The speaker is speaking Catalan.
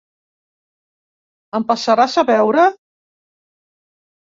Em passaràs a veure?